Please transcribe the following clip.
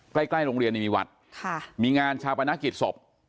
ใกล้โรงเรียนมีวัดมีงานชาปนกิจศพ